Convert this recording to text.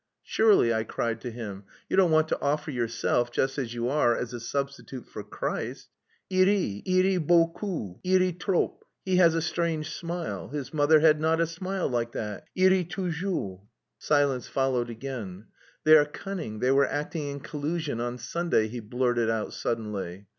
'Surely,' I cried to him, 'you don't want to offer yourself just as you are as a substitute for Christ?' Il rit. Il rit beaucoup. Il rit trop. He has a strange smile. His mother had not a smile like that. Il rit toujours." Silence followed again. "They are cunning; they were acting in collusion on Sunday," he blurted out suddenly....